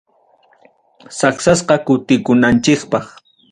Saksasqa kutiykunanchikpaq.